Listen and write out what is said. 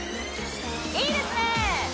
いいですね